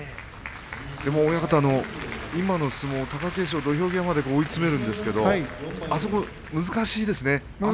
親方、今の相撲貴景勝を土俵際まで追い詰めるんですけれども難しいですね。